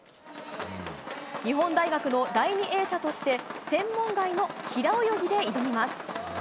日本大学の第２泳者として専門外の平泳ぎで挑みます。